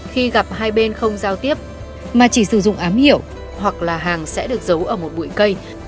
khi gặp hai bên không giao tiếp mà chỉ sử dụng ám hiểu hoặc là hàng sẽ được giấu ở một bụi cây